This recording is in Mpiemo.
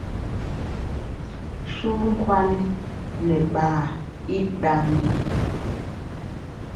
Suvu nkwali nɛ ɓaa i ɗambi.